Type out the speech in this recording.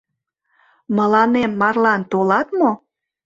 Мыланем марлан толат мо?